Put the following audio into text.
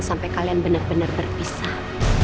sampai kalian bener bener berpisah